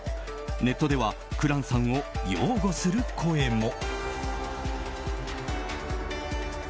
ネットでは紅蘭さんを擁護する声も。